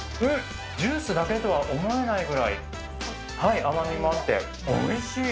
ジュースだけとは思えないぐらい甘味もあっておいしい。